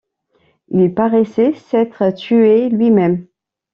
Il paraissait s’être tué lui-même